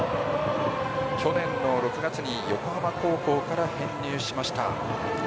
去年の６月に横浜高校から編入しました。